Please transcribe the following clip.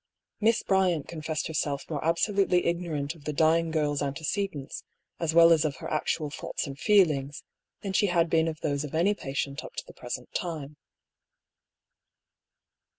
Miss Bryant confessed herself more absolutely igno rant of the dying girl's antecedents, as well as of her actual thoughts and feelings, than she had been of those of any patient up to the present time.